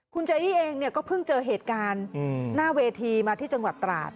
คุณเจอี้เองเนี่ยก็เพิ่งเจอเหตุการณ์หน้าเวทีมาที่จังหวัดตราด